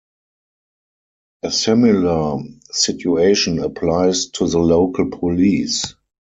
A similar situation applies to the local police.